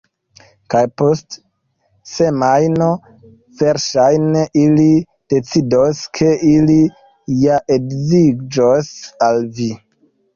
Kaj post semajno, verŝajne, ili decidos ke ili ja edziĝos al vi.